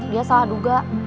dia salah duga